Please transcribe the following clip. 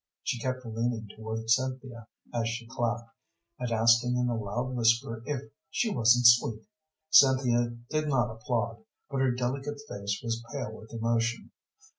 She kept leaning towards Cynthia as she clapped, and asking in a loud whisper if she wasn't sweet. Cynthia did not applaud, but her delicate face was pale with emotion.